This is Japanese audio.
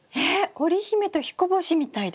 織姫と彦星みたいですね。